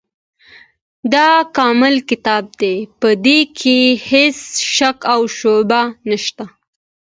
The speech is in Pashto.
دا کامل کتاب دی، په دي کي هيڅ شک او شبهه نشته